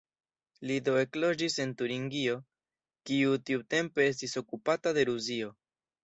Li do ekloĝis en Turingio, kiu tiutempe estis okupata de Rusio.